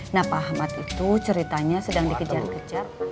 nah pak ahmad itu ceritanya sedang dikejar kejar